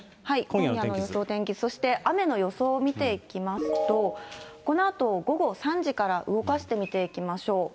今夜の天気図と、そして雨の予想を見ていきますと、このあと午後３時から動かして見ていきましょう。